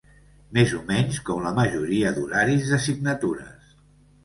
Més o menys, com la majoria d'horaris de signatures.